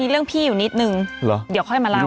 เรื่องพี่อยู่นิดนึงเดี๋ยวค่อยมาเล่า